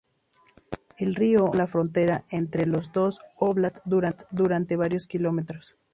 El río forma la frontera entre los dos "óblasts" durante varios kilómetros.